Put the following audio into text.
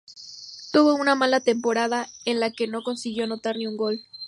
Tuvo una mala temporada en la que no consiguió anotar ni un gol.